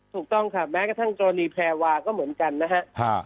ถูกต้องค่ะแม้กระทั่งกรณีแพรวาก็เหมือนกันนะฮะ